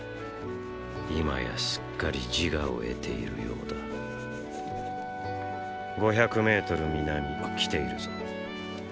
今やすっかり自我を得ているようだ５００ｍ南来ているぞ。